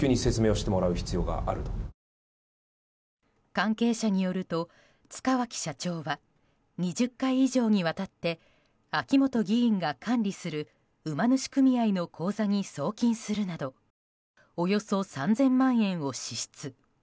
関係者によると塚脇社長は２０回以上にわたって秋本議員が管理する馬主組合の口座に送金するなどおよそ３０００万円を支出。